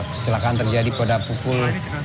kecelakaan terjadi pada pukul